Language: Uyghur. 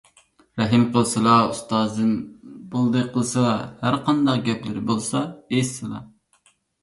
رەھىم قىلسىلا، ئۇستازىم، بولدى قىلسىلا! ھەرقانداق گەپلىرى بولسا ئېيتسىلا!